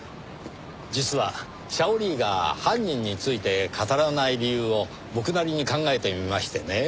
実はシャオリーが犯人について語らない理由を僕なりに考えてみましてねぇ。